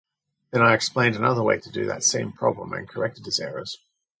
then I explained another way to do that same problem, and corrected his errors.